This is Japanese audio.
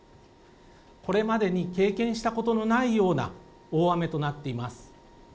これまでに経験したことのないような大雨となっています。